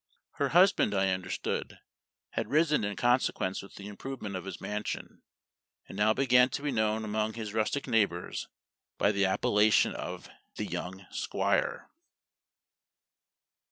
Her husband, I understood, had risen in consequence with the improvement of his mansion, and now began to be known among his rustic neighbors by the appellation of "the young Squire."